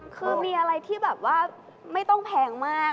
คือมีอะไรที่แบบว่าไม่ต้องแพงมาก